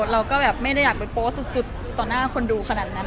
เราก็แบบไม่ได้อยากไปโพสต์สุดต่อหน้าคนดูขนาดนั้น